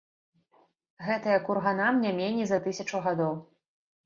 Гэтыя курганам не меней за тысячу гадоў.